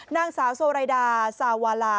นางสาวโซไรดาซาวาลา